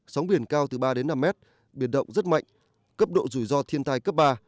sóng biển cao từ ba đến năm mét biển động rất mạnh cấp độ rủi ro thiên tai cấp ba